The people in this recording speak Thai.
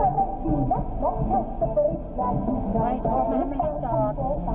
ดังที่ว่าเหมือนธนิยามันเดียวนะครับ